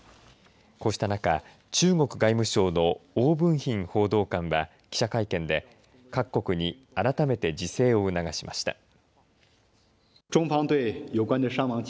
こうした中、中国外務省の汪文斌報道官は記者会見で各国に改めて自制を促しました。